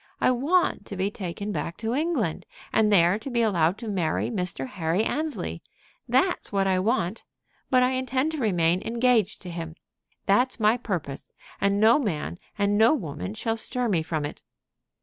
I want to be taken back to England, and there to be allowed to marry Mr. Henry Annesley. That's what I want. But I intend to remain engaged to him. That's my purpose, and no man and no woman shall stir me from it."